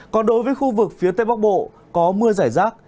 còn đối với khu vực phía tây bắc bộ có mưa giải rác